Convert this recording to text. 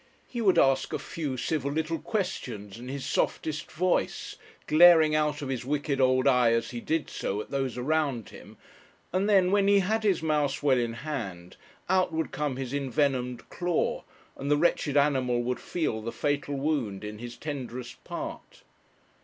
He would ask a few civil little questions in his softest voice, glaring out of his wicked old eye as he did so at those around him, and then, when he had his mouse well in hand, out would come his envenomed claw, and the wretched animal would feel the fatal wound in his tenderest part.